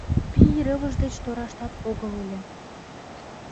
Пий рывыж деч тораштат огыл ыле.